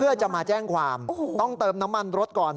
เพื่อจะมาแจ้งความต้องเติมน้ำมันรถก่อน